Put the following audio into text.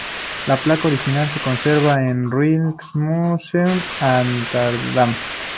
La placa original se conserva en el Rijksmuseum de Ámsterdam.